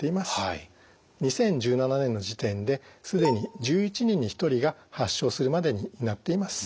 ２０１７年の時点で既に１１人に１人が発症するまでになっています。